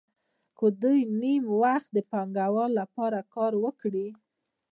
که دوی نیم نور وخت د پانګوال لپاره کار وکړي